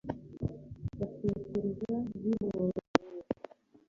batekereza biboroheye